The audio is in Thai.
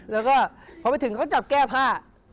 แล้วก็พอไปถึงเขาจับแก้ผ้า